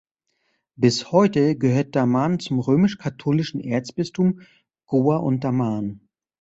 Bis heute gehört Daman zum römisch-katholischen Erzbistum Goa und Daman.